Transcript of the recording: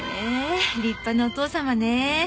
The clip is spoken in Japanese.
立派なお父様ね。